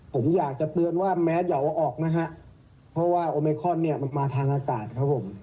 ผมอยากจะเตือนว่าแมสอย่าว่าออกนะฮะเพราะว่าโอเมคอนเนี่ยมันมาทางอากาศครับผม